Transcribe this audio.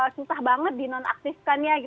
susah banget di nonaktifkannya